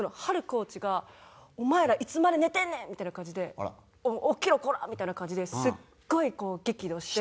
コーチが「お前らいつまで寝てんねん！」みたいな感じで「起きろこら！」みたいな感じですっごい激怒して。